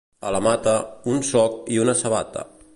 A la Mata, un soc i una sabata.